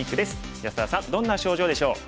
安田さんどんな症状でしょう？